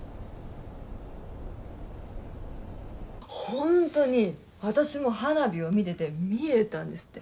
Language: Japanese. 本当に私も花火を見てて見えたんですって。